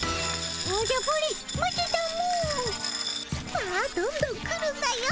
さあどんどん来るんだよ。